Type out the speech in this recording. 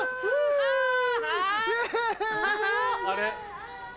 あれ。